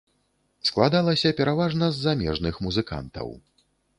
Складалася пераважна з замежных музыкантаў.